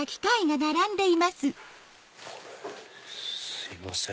すいません